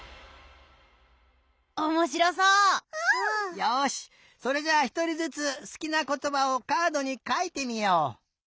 よしそれじゃあひとりずつすきなことばをカードにかいてみよう。